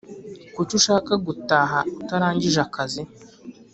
Kuki ushaka gutaha utarangije akazi